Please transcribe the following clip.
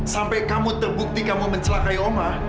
sampai kamu terbukti kamu mencelakai oma